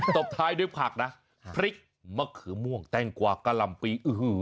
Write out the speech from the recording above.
ตบท้ายด้วยผักนะพริกมะเขือม่วงแต้งกว่ากะหล่ำปี